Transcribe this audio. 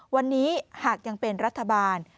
วันนี้หากยังเป็นรัฐบาล